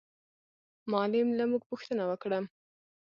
معلم له موږ پوښتنه وکړه.